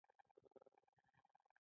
الوتکه د عصري نړۍ استازې ده.